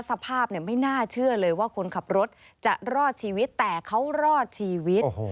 สภาพไม่น่าเชื่อเลยว่าคนขับรถจะรอดชีวิตแต่เขารอดชีวิต